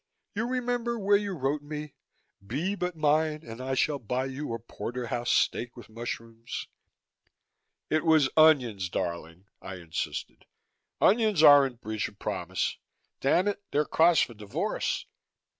You remember where you wrote me, 'Be but mine and I shall buy you a porterhouse steak with mushrooms'." "It was onions, darling," I insisted. "Onions aren't breach of promise. Damn it! they're cause for divorce."